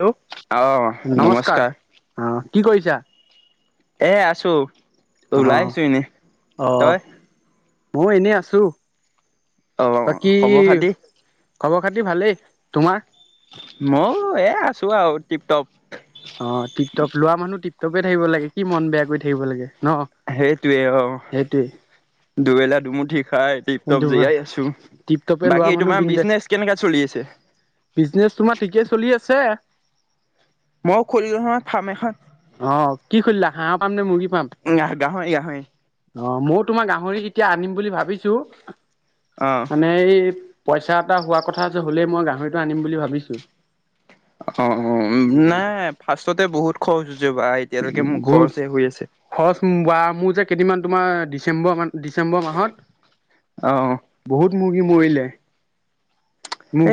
Hello আহ নমস্কাৰ। অ কি কৰিছা? এই আছো। অ ওলাই আহিছো এনে। তই? মইও এনে আছো। অ', বাকী খবৰ খাতি খব পাতি ভালেই, তোমাৰ? ময়ো এ আছোঁ আৰু টিপটপ। অ', টিকটক লোৱা মানুহ টিপ টপে থাকিব লাগে কি মন বেয়া কৰি থাকিব লাগে। ন সেইটোৱে সেইটোৱে অ'। দুবেলা দুমুঠি খাই টিপটপ জীয়াই আছোঁ, টিপ টপে লোৱা বাকী মানুহ তোমাৰ বিন্দে বিজনেচ কেনেকা চলি আছে? ছে মই খুলিলোঁ নহয় ফাৰ্ম এখন। অহ, কি খুলিলা হাঁহ ফাৰ্ম নে মুৰ্গী ফাৰ্ম? গাহৰি গাহৰি অ', ময়ো তোমাৰ গাহৰি এতিয়া আনিম বুলি ভাবিছোঁ। অ', মানে এই পইচা এটা হোৱা কথা আছে হ'লেই মই গাহৰিটো আনিম বুলি ভাবিছোঁ। অ', অ', নাই ফাৰ্ষ্টতে বহুত খোজ বহুত খৰচ বা মোৰ যে কেইদিনমান তোমাৰ ডিচেম্বৰ মান ডিচেম্বৰ মাহত, অ', বহুত মুৰ্গি মৰিলে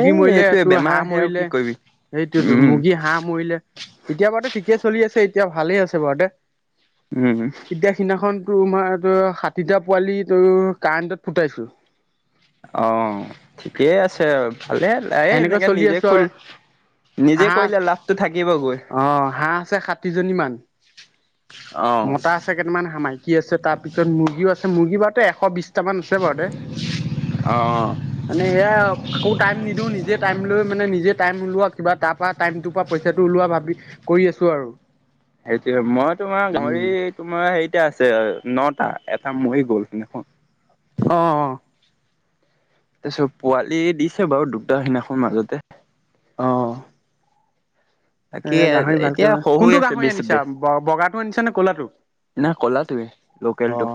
এই মৰিলে এইটোৱে তোৰ, বেমাৰ হাঁহ আহে আৰু মৰিলে, কি কৰিবি সেইটোতো, উম, মুৰ্গী, হাঁহ মৰিলে। এতিয়া বাৰু ঠিকেই চলি আছে। এতিয়া ভালে আছে বাৰু দে। উম, এতিয়া সিদিনাখন তোৰমাৰ ত ষাঠিটা পোৱালি তোৰ কাৰেণ্টত ফুটাইছো। অ' ঠিকেই আছে আৰু। ভালে এই সেনেকৈ এনেকে চলি নিজে, আছো খ আৰু নিজে হাঁহ কৰিলে লাভটো থাকে। অ' হাঁহ আছে ষাঠি জনী মান। মতা আছে কেইটামান হাহ, মাইকী আছে, তাৰপিছত মুৰ্গীও আছে মুৰ্গী বাৰুতে এক [inaudible] [unintelligible] আছে বাৰু দে মানে, এয়া আকৌ টাইম নিদিওঁ নিজে টাইম লৈ মানে নিজে টাইম ওলোৱা কিবা তাৰ পৰা টাইমৰ পৰা পইচাটো ওলোৱা ভাবি কৰি আছো আৰু। সেইটোৱেই মই তোমাৰ উম ঘড়ী তোমাৰ হেৰিতে আছে আৰু। নটা এটা মই গ'ল সেইদিনাখ অ অ। তাছত পোৱালি দিছে বাৰু দুটা সেইদিনাখন মাজতে। অ বাকী এ গাহৰি ভালকে এতিয়া শহু কোনটো আছে গাহৰি বে চ আনিছা বেচ বগাটো আনিছা নে ক'লাটো না কলাতোৱে অ লোকেলটো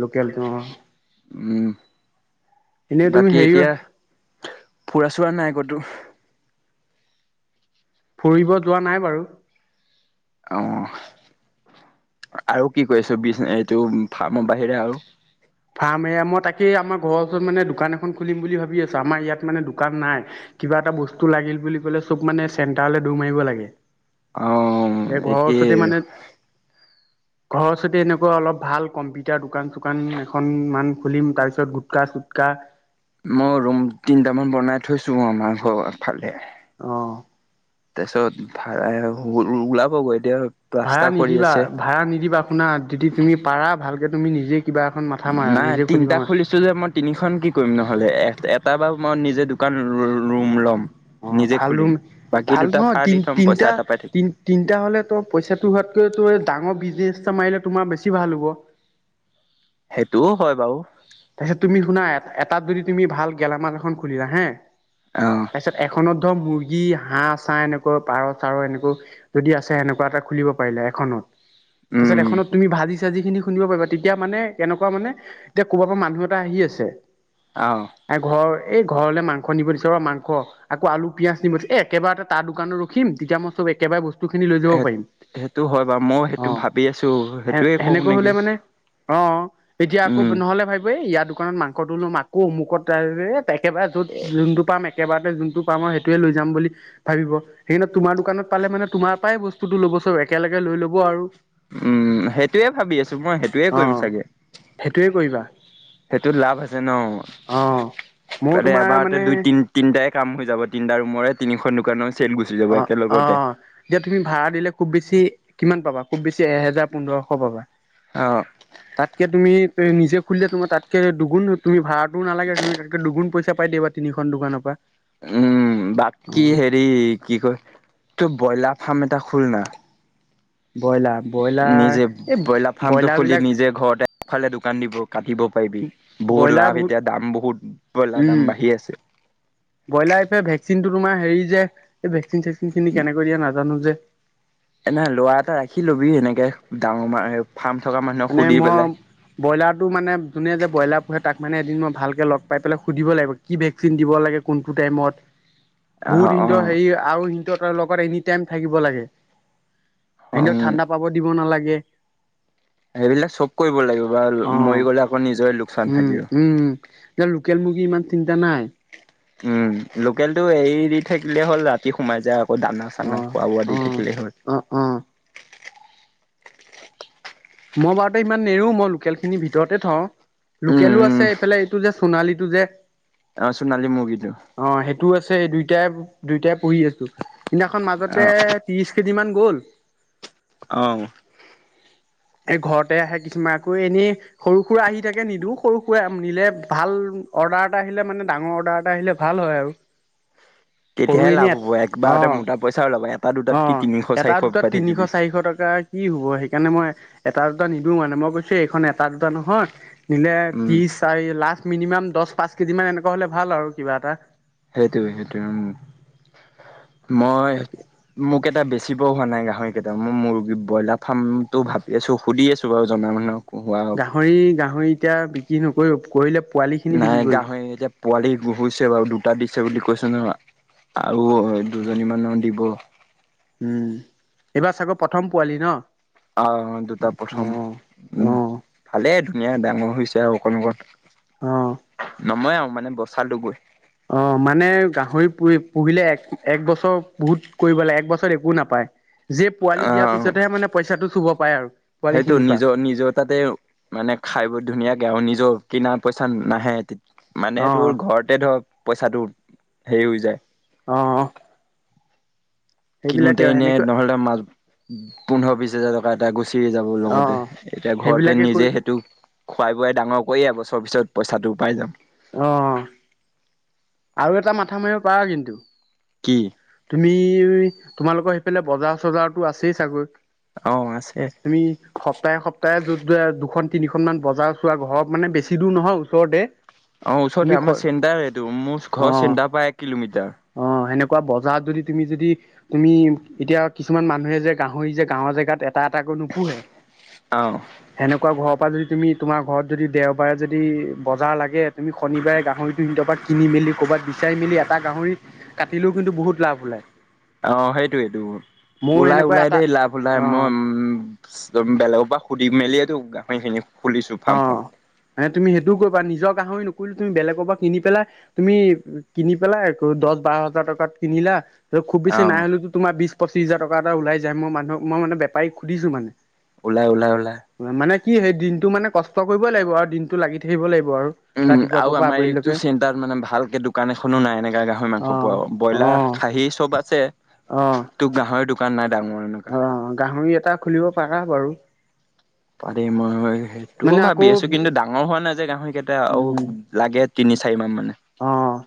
লোকেলটো অ উম এনেই তুমি বাকী হেৰি এতিয়া ফুৰা চুৰা নাই ক'ত টো ফুৰিব যোৱা নাই বাৰু। অ আৰু কি কৰি আছো বি এইটো ফাৰ্মৰ বাহিৰে আও? ফাৰ্ম মই তাকেই আমাৰ ঘৰৰ ওচৰত মানে দোকান এখন খুলিম বুলি ভাবি আছো আমাৰ ইয়াত মানে দোকান নাই কিবা এটা বস্তু লাগিল বুলি ক'লে চব মানে চেন্টাৰ লে দৌৰ মাৰিব লাগে। অ এ ঘৰৰ একেই ওচৰতে মানে ঘৰৰ ওচৰতে এনেকুৱা অলপ ভাল কম্পিউটাৰ দোকান চোকান খন মান খুলিম তাৰ পিছত গুটকা চুটকা মই ৰুম তিনটামান বনাই থৈছো আমাৰ ঘ ফালে অহ। তাছত ভাড়া ও ও ওলাবগৈ এতিয়া ভাড়া প্লাষ্টাৰ কৰি নিদিবা আছে। ভাড়া নিদিবা শুনা যদি তুমি পাৰা ভাল এতিয়া তুমি নিজেই নাই তিনটা খুলিছিলোঁ মই তিনিখন কি কৰিম নহ'লে এট এট তাৰ পৰা মই নিজে দোকান অ ৰুম ল'ম অ অ নিজে ভাল খুলিম। ৰুম বাকী ভাল দুটা নহয় ভাড়া দি তিন থ'ম পইচা তিনটা এটা পাই থাকিম তিন তিনটা হ'লেটো পইচাটো হোৱাতকৈ তোৰ ডাঙৰ বিজনেছ মাৰিলে তোমাৰ বেছি ভাল হ'ব। সেইটোও হয় বাৰু। তাৰপিছত তুমি শুনা এটাত যদি তুমি ভাল গেলামাল এখন খুলিবা হা। অ', তাৰপিছত এখনত ধৰ মুৰ্গী কি হাঁহ চাঁ এনেকুৱা পাৰ চাৰ এনেকুৱা যদি আছে সেনেকুৱা এটা খুলিব পাৰিলে এখনত। পিছত উম, এখনত তুমি ভাজিছ যিখিনি শুনিব পাৰিবা তেতিয়া মানে এনেকুৱা মানে এতিয়া ক'ৰবা পৰা মানুহ এটা আহি আছে। অ', এঘৰে। এই ঘৰলে মাংস নিব দিছে ৰ মাংস আকৌ আলু পিয়াজ নিমখ এ একেবাৰে এটা তাৰ দোকানত ৰখিম তেতিয়া মই চব একেবাৰে বস্তু খিনি লৈ যাব সেট পাৰিম সেইটো হয় বাৰু মই অ সেইটো ভাবি আছো সেইটোয়ে কওঁ নেকি? অঁ। এতিয়া আকৌ উম, নহ'লে ভাবিব এ ইয়াত, দোকানত মাংসটো লোম আকৌ অমুকত ডায়ৰেক একেবাৰে য'ত যোনটো পাম এক একেবাৰতে যোনটো পাম আৰু সেইটোৱে লৈ যাম বুলি ভাবিব সেইকাৰণে তোমাৰ দোকানত পালে মানে তোমাৰ পৰাই বস্তুটো ল'ব চব একেলগে লৈ ল'ব আৰু উম সেইটোয়েই ভাবি আছো, মই সেইটোয়ে অ কৰিম চাগে। সেইটোৱে কৰিবা সেইটো লাভ আছে ন, অ' ময়ো তাতে তোমাৰ এবাৰতে মানে দুই তিন তিনটাই কাম হৈ যাব, তিনিটা ৰুমৰে, তিনিখন দোকানৰ চেল গুচি যাব অ', একেলগতে। অ', এতিয়া তুমি ভা়ড়া দিলে খুব বেছি কিমান পাবা? খুব বেছি এহেজাৰ, পোন্ধৰশ পাবা। অ'। তাতকে তুমি তুমি নিজে খুলিলে তোমাৰ তাতকে দুগুণ তুমি ভাড়াটো নালাগে তুমি তাতকে দুগুণ পইচা পাই দিবা তিনিখন দোকানৰ পৰা। উম, বাকী অ' হেৰি কি কয়, তই ব্ৰইলাৰ ফাৰ্ম এটা খুলনা। ব্ৰইলাৰ, ব্ৰইলাৰ এই ব্ৰইলাৰ বিলাক ইফালে দোকান দিব কাটিব পাৰিবি, বহুত লাভ এতিয়া দাম বহুত ব্ৰইলাৰ উম দাম বাঢ়ি আছে। কিন্তু তোমাৰ হেৰি যে, এই ভেক চিন চেকফিন খিনি কেনেকৈ দিয়ে নাজানো যে এনেহ ল'ৰা এটা ৰাখি ল'বি এনেকে ডাঙৰ-ফ্ৰাম মানে মই ব্ৰইলাৰটো মানে যোনে যে, ব্ৰইলাৰ পোহে তাক মানে এদিন মই ভালকে লগ পাই পেলাই সুধিব লাগিব, কি ভেকচিন দিব লাগে, কোনটো টাইমত? অ', বহুত হিতৰ অ', হেয়ি আৰু হিতৰ লগত এনিটাইম থাকিব লাগে। সেও উম। ঠাণ্ডা পাব দিব নালাগ য়ে সেইবিলাক চব কৰিব লাগিব বা মৰি গ'লে আকৌ নিজৰে লোকচান থাকিব। এয়া লোকেল মুৰ্গী ইমান চিন্তা নাই। উম, লোকেলটো এৰি দি থাকিলে হ'ল ৰাতি সোমাই যায়। ও দানা, অ চানা খোৱা-বোৱা অ দি থাকিলেই হ'ল। অ অ মই বাৰুতে ইমান নেৰো মই লোকেল খিনি ভিতৰতে থওঁ। উম লোকেলো উম আছে এইফালে এইটো জাষ সোণালীটো যে অ', চুনালী মূৰ্গীটো। ছে দুইটাই, দুইটাই পঢ়ি আছোঁ। সেইদিনাখন অ মাজতে ত্ৰিশ কেইদিমান গ'ল। অহ। এই ঘৰতে আহে কিছুমান আকৌ এনেই সৰু-সুৰা আহি থাকে নিদো, সৰু-সুৰা নিলে ভাল অৰ্ডাৰ এটা আহিলে মানে ডাঙৰ অৰ্ডাৰ এটা আহিলে ভাল হয় আৰু। সৰু তেতিয়াহে এনে লাভ হ'ব। একবাৰ অঁ মোটা পইচাও ওলাব এটা দুটাত কি অঁ তিনিশ এটা চাৰিশ উপায় থাকিবি। কেনেে মই এটা দুটা নিদিওঁ মানে মই কৈছো এইখন এটা দুটা নহয়। নিলে উম ত্ৰিশ চাৰি লাষ মিনিমাম দহ পাঁচ কেজি মান এনেকুৱা হলে ভাল আৰু কিবা এটা সেইটোৱে সেইটোৱে উম মই তাকে মোক কেইটা বেছিব হোৱা নাই গাহৰিকেইটা মই মুৰ্গী ব্ৰইলাৰ ফাৰ্মটো ভাবি আছোঁ। সুধি আছো বাৰু জনা মানুহক হোৱা কি নকৰিব কৰিলে পোৱালিখিনি নাই বিক্ৰী কৰিবি গাহৰি এতিয়া পোৱালি ঘোহুছে বাৰু দুটা দিছে বুলি কৈছে ন আৰু অ' দুজনী মানহ দিব উম এইবাৰ চাগৰ প্ৰথম পোৱালি ন। অ দুটা প্ৰথম অঁ উম অঁ ভালেই দুনিয়া ডাঙৰ হৈছে আৰু অকণ অ', অকণ নমই আৰু মানে বস্ত চালোগৈ অ', মানে গাহৰি পুহি পুহিলে এক এক বছৰ বহুত কৰিব লাগে এক বছৰ একো নাপায় যে পোৱালি দিয়াৰ আহ পিছতহে মানেইচাটো চুব পায় আৰু পোৱালি সেইটো খিনিৰ পৰা নিজৰ নিজৰ তাতে মানে খাই ব ধুনীয়াকে আৰু নিজৰ কিনা পইচা নাহে মানে অ', তোৰ ঘৰতে ধৰক পইচাটো হেৰি হৈ যায়। অ' সেইবিলাকে কিনোতে এনেই সেনেকৈ নহ'লে মা পোন্ধৰ বিশ হাজাৰ টকা এটা গুছ যাব লগতে অ', এতিয়া ঘৰতে সেইবিলাকে কৰি নিজে সেইটো খুৱাই বোৱাই ডাঙৰ কৰি আহ ভব্যিছত পইচাটোও পাই যাম আহ আৰু এটা মাথা মাৰিব পাৰা কিন্তু, কি তুমি, তোমালোকৰ সেইফালে বজাৰ চজাৰতো আছেই চাগৈ। অ আছে তুমি, সপ্তাহে সপ্তাহে যত দুখন তিনিখন মান বজাৰ চোৱা ঘৰত মানে বেছি দূৰ নহয় ওচৰতে। অ ওচৰতে তুমি আমাৰ চেণ্টাৰ এইটো মোৰ ঘৰৰ অ', চেণ্টাৰ পৰা এক কিলোমিটাৰ অ' সেনেকুৱা কোৱা বজাৰত যদি তুমি যদি তুমি এতিয়া কিছুমান মানুহে যে গাহৰি যে গাঁৱৰ জেগাত। তাত আকৌ নোপোহে অ সেনেকুৱা ঘৰৰ পৰা যদি। তুমি তোমাৰ ঘৰত যদি দেওবাৰে যদি বজাৰ লাগে। তুমি শনিবাৰে গাহৰিটোাত কিন মেলি ক'ৰবাত। চাৰি মেলি এটা গাহৰি কাটিলেও কিন্তু বহুত লাভ ওলায়। অ 'সেইটোয়েইটো ময়ো ওলাই এনেকুৱা ওলাই এটা দেই লাভ লাই অ মই উম বেলেগৰ পৰা সুধি মেলিয়টো গা সেইখিনি। খুলিছোঁ অ ফাৰ্ম বোৰ মানে তুমি নিজৰ গাহৰি নকৰিলো তুমি বেলেগৰ পৰা কিনি পেলাই তুমি কিনি পেলাই দহ বাৰ হাজাৰ টকাত কিনিলা। ত খুব বেছি অহ নাই হলে তো তোমাৰ বিছ পঁচিছ হাজাৰটকা এটা ওাই যায় মানুহ মান বোৰী সুধিছো মানে। ওলাই ওলাই ওলাই। মানে কি সেই দিনটো মানে। কষ্ট কৰিবই লাগিব আৰু দিনতটো লাগি থাকিব লাগিব আৰু উম ৰাতিপুৱা আৰু পৰা আমাৰ এইটো আবেলিলৈকে চেণ্টাৰত মানে ভালকে দোকান এখনো নাই এনেকা গাহৰি মাংস অ পোৱা অ ব্ৰইলাৰ খাহী চব আছে অ তোক গাহৰি দান। দোকান নাই। ডাঙৰ এনেকুৱা অ 'গাহৰি এটা খুলিব পাৰা বাৰু পাৰি মই মানে সেইটোও আকৌ ভাবি আছো কিন্তু ডাঙৰ হোৱা নাই যে গাহৰি কেইটা আৰু উম লাগে। তিনি চাৰিমাহমান অ'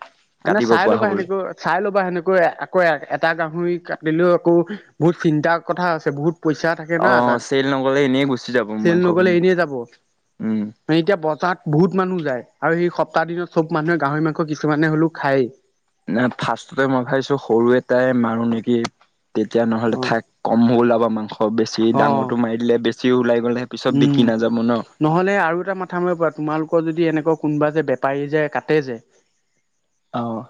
মানে চাই ল'বা সেনেকো চাই ল'বা সেনেকৈ আকৌ এটা গাহৰি কাটিলেও আকৌ বহুত চিন্তাৰ কথা আছে বহুত কম পইচা থাকে না অ তাত চেল নগলে এনেই গুচি যাব চেল নগ'লে মাংসখিনি এনেই যাব উম এতিয়া বজাৰত বহুত মানুহ যায় আৰু সেই তাৰ দিনত চব মানুহে। গাহৰি মাংস কিছুমানে হ'লেও খায়। ন ফাৰ্ষ্টতে মই ভাবিছো সৰু এটাই মাৰো নেকি। তেতিয়া নহ'লে অ ঠাইাক কম ওলাব মাংস বেছি অ ডাঙৰটো মাৰি দিলে বেছি। যি ওলাই। গ'লে পিছত উম বিকি নাযাব ন। নহ'লে আৰু এটা মাথা মাৰিব পৰা তোমালোকৰ যদি। যদি এনেকুৱা কোনোবা যে বেপাৰী যে কাটে যে। অঁ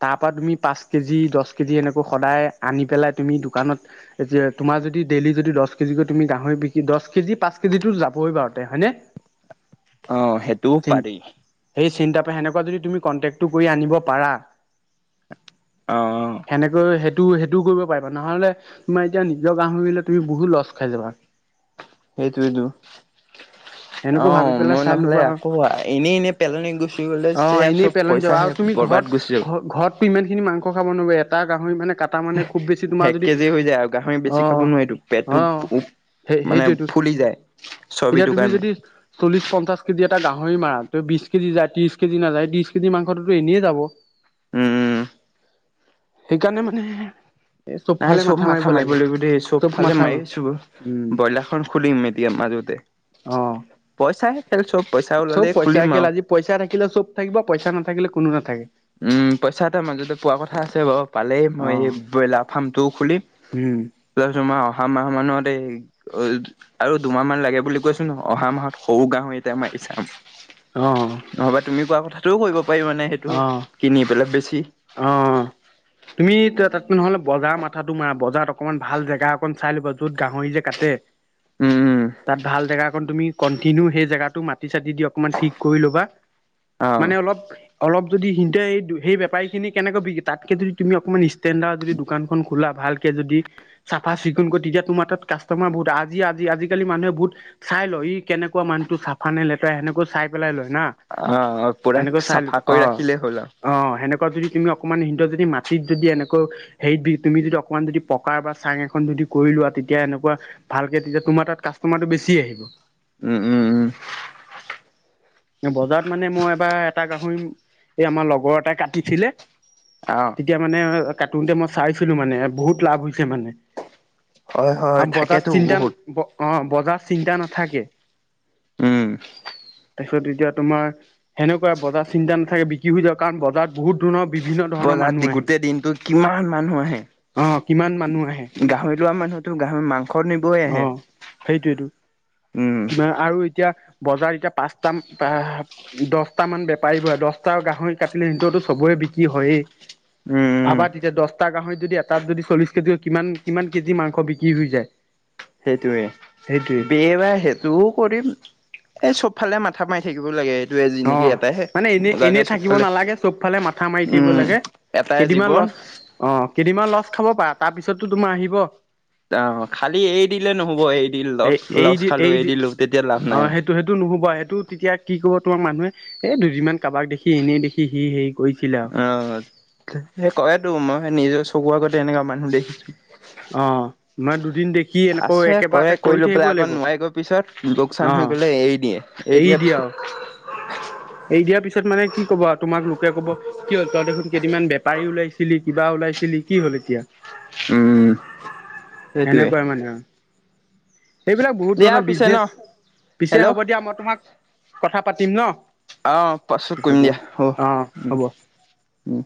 তাৰপৰা তুমি। পাঁচ কেজি দহ কেজি এনেকৈ সদায় আনি পেলাই তুমি দোকানত তোমাৰ যদি ডেইলি যদি দহ কেজিকৈ তুমি গাহৰি বিকি দহ কেজি পাঁচ যিটো যাবই বাৰুতে হয়নে। অ', সেইটোও পাৰি। সেই চিন্তা পাই সেনেকুৱা যদি তুমি কন্টেক্টো কৰি আনিব পাৰা অঁ সেনেকৈ সেই টো সেইটো কৰিব পাৰিবা নহ'লে তোমাৰ এতিয়া নিজৰ গাহৰি হ'লে তুমি বহুত লছ খাই যাবা। সেইটোৱেটো। সেনেকৈ ভাবি অ', পেলাই মই চাই নহ'লে ল'বা আৰু আকৌ এনেই এনেই পেলনি গুচি গ'লে অ চে এনেই চব পইচা হে বৰবাত গুচি যল ত ইমান খিনি মাংস খাব নোৱাৰয় এটা গাহৰি মানে কাটা মানে খুব বেছি তোমাৰ এক যদি কেজি হৈ যায় আৰু গাহৰি অ বেছি খাব নোৱাৰিটো পেটটো অ সেই মানে সেইটোৱেতো ফুলি যায় এতিয়া ছবিটো তুমি যদি চল্লিশ পঞ্চাশ কেজি এটা গাহৰি মৰাত বিশ কেজি য ত্ৰশ কেজি নায ত্ৰশ কেজি মাংসটোতো এনেই যাব উম উম। সেইকাৰণে মানে নাই চব মাথা মাৰিব লাগিব দেই চব ফালে মাথা মাৰি মাৰ আছো উম ব্ৰইলাৰখন খুলিম এতিয়া মাজতে অ পইচ চাই চব পইচা থাকিলে আজি পইচা থাকিলে চব থাকিব পইচা নাথাকে থাকিলে কোনো নাথাকে। উম পইচা এটা মাজতে পোৱা কথা আছে বাৰু পালেই অ মই এই ব্ৰইলাৰ ফাৰ্মটোও খুলিম উম তাৰ পিছত মই অহা মাহ মানত এই আৰু দুমাহ মান লাগে বুলি কৈছো ন অহা মাহত সৰু গাম এতিয়া মাৰি চাম অ নহবা তুমি কোৱা কথা ত কৈ পাৰ মানে সেইটো অ কিনি পেলাই বেছি অ তুমি ত- তাত নহ'লে বজাৰৰ মাথাাটো মাৰা বজাৰত অকণমান ভাল জেগা অকন চাই ল'ব যত গাহৰি যে কাটে! উম তাত ভাল জেগা তুমি কন্টিনউ সেই জেগাটো মাটি চাি দি অকমান ঠিক কৰি ল'বা! উম অ মানে অলপ অলপ যদি সি সেই বেপাৰী খিনি কেনেকৈ বিক তাতকে যদি তুমি অকনমান ষ্টেণ্ডাৰ যদি দোকানখন খোলা ভালকে যদি চাফা চিকুণ কৰি তেতিয়া তোমাৰ তাত কাষ্টমাৰ বহুত আজি আজি আজিালিানুহে বহুত চাই লয় ই কেনেুৱা মানুহটো চা নে লেতেৰা সেনেকৈ চাই পেলাই লয়। না অ' পুৰা সেনেকৈ চাই ল- চাফা কৈ অ ৰাখিলেই হ'ল আৰু অ সেনেকুৱা যদি তুমি অকমান সিহঁ যদি মাটিত যদি এনেকুৱা হেৰিত তুমি যদি অকনমান যদি পকাৰ বা চাং এখন যদি কৰি লোৱা তেতিয়া এনেকুৱা ভালকে তেতিয়া তোমাৰ তাত কাষ্টমাৰটো বেছি আহিব। উম উম উম। বজাৰত মানে মই এবাৰ এটা গাহৰি ম এই আমাৰ লগৰ এটাই কাটিছিলে অ তেতিয়া মানে আ কাটোঁতে মই চাইছিলো মানে, বহুত লাভ হৈছে মানে হয় হয় আৰু থাকেতো বজাত বহুত চিন্তানল, অ' বজাত চিন্তা নাথাকে। উম। তাৰপিছত এতিয়া তোমাৰ সেনেকুৱা বজাত চি চিন্তা নথাকে বিক্ৰী হৈ যায়। কাৰণ বজত বহুত ধৰণৰ বিভিন্ন ধৰণৰ বজাত মানুহ আহে গোটেই দিনতটো কিমান মানুহ আহে। অ কিমান মানুহ আহে গাহৰি লোৱা মানুহতো গাহৰি মং অ', সেইটোয়েইটো উম, আৰু এতিয়া বজাৰ এতিয়া পাঁচটামান বা দহটামান বেপাৰীৰ পৰা দহটা গাহৰি কাটিলেই সিহঁতৰতো চবৰে বিক্ৰী হয়েই উম, ভাবা তেতিয়া দছটা গাহৰিত যদি এটাত যদি চল্লিশ কেজি, কিমান কিমান কেজি মাংস বিক্ৰী হৈ যায়। সেইটোৱেই, সেইটোৱে এইবাৰ সেইটোও কৰিম। এই চবফালে মাথা মাৰি থাকিব লাগে। এইটোৱে জিন্দগী অ', এটাইহে। মানে এনেই এনে মজাকে থাকিব চবফালে নালাগে, চবফালে মাথা মাৰি থাকিব উম, লাগে। এটাই কেইদিনমান জীৱন। ল'ছ, অ' কেইদিনমান ল'ছ খাব পাৰা তাৰপিছতো তোমাৰ আহিব। অ', খালি এৰি দিলে নহ'ব। এই দি এ ল'ছ এই দি ল'ছ খালো, এই দি দিলো, তেতিয়া লাভ অ নাই আৰু সেইটো সেইটো নুশুবা সেইটো তেতিয়া কি কব তোমাক মানুহে, এই দুদিনমান কাৰোবাক দেখি, এনেই দেখি সি হেৰি কৰিছিলে আৰু অ', সেই কয়তো, মইহে নিজৰ চ চকুৰ আগতে এনেকুৱা মানুহ দেখিছো। অ', মই দুদিন দেখি এনেকৈ আছে কৰে একেবাৰেতে কৰি লৈ থাকিব পেলাই আকৌ লাগিব। নোৱাৰি গৈ পিছত লোকচান হৈ অ', গ'লে এৰি দিয়ে। এৰি দিয়াৰ দিয়া, পিছত এৰি দিয়াৰ পিছত ৰ পিছত মানে কি ক'ব আৰু, তোমাক লোকে ক'ব কি হ'ল, তই দেখোন কেইদিনমান বেপাৰী ওলাইছিলি, কিবা ওলাইছিলি, কি হল এতিয়া? উম, সেইটোৱেই। সেনেকুৱাই মানে আৰু সেইবিলাক বহুত ধৰণৰ বিজনেচ, পিছে হেল্ল'। হ'ব দিয়া মই তোমাক কথা পাতিম ন' অ', পাছত কইম পিছত দিয়া। হ'ব। অ অ উম, হ'ব উম।